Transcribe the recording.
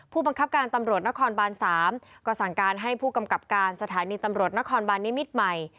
ผู้บังคับการตำรวจนครบาน๓ก็สั่งการให้ผู้กำกับการสถานีตำรวจนครบานนิมิตรใหม่